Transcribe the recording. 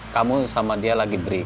kamu sama dia lagi beri